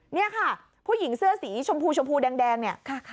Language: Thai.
นี่ค่ะผู้หญิงเสื้อสีชมพูแดงนี่ค่ะ